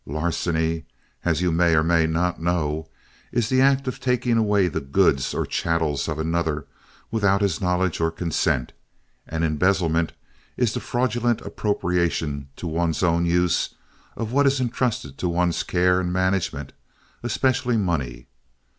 Larceny, as you may or may not know, is the act of taking away the goods or chattels of another without his knowledge or consent, and embezzlement is the fraudulent appropriation to one's own use of what is intrusted to one's care and management, especially money.